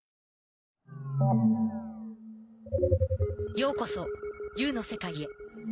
ようこそ「Ｕ」の世界へ。